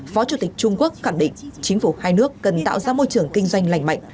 phó chủ tịch trung quốc khẳng định chính phủ hai nước cần tạo ra môi trường kinh doanh lành mạnh